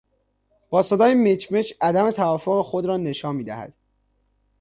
با صدای مچ مچ عدم توافق خود را نشان داد.